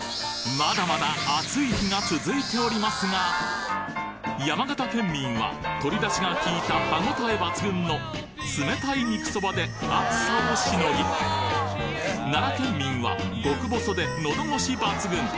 まだまだ暑い日が続いておりますが山形県民は鶏だしがきいた歯ごたえ抜群の冷たい肉そばで暑さをしのぎ奈良県民は極細で喉ごし抜群！